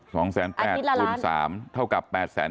๒๘๐๐๐๐คูณ๓ล้านเท่ากับ๘๔๐๐๐๐